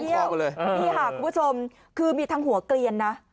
นี่ค่ะคุณผู้ชมคือมีทั้งหัวเกลียนนะ